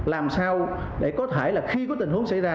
làm sao để có thể là khi có tình huống xảy ra